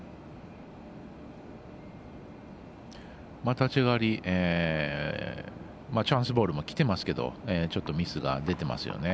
立ち上がりチャンスボールもきてますけどちょっとミスが出てますよね。